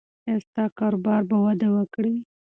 ایا ستا کاروبار به وده وکړي؟